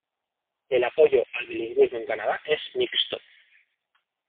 El apoyo al bilingüismo en Canadá es mixto.